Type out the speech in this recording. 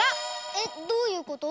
えっ？どういうこと？